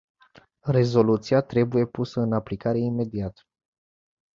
Rezoluția trebuie pusă în aplicare imediat.